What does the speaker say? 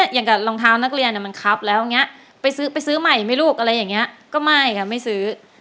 อย่างกับรองเท้านักเรียนมันครับแล้วอย่างนี้ไปซื้อไปซื้อใหม่ไหมลูกอะไรอย่างนี้ก็ไม่ค่ะไม่ซื้อ